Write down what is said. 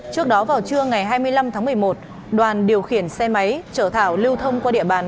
trước đó vào trưa ngày hai mươi năm tháng một mươi một đoàn điều khiển xe máy chở thảo lưu thông qua địa bàn